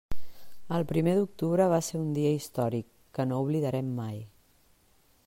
El primer d'octubre va ser un dia històric que no oblidarem mai.